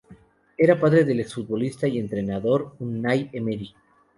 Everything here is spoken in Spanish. Era el padre del exfutbolista y entrenador Unai Emery.